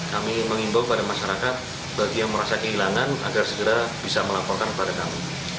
kami mengimbau kepada masyarakat bagi yang merasa kehilangan agar segera bisa melaporkan kepada kami